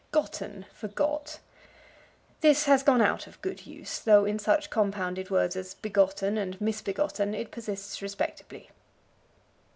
Gotten for Got. This has gone out of good use, though in such compounded words as begotten and misbegotten it persists respectably.